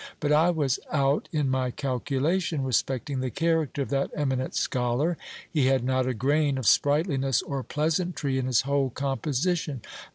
But I was out in my calculation respecting the character of that eminent scholar : he had not a grain of sprightliness or pleasantry in his whole composition.